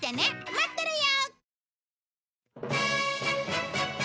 待ってるよ！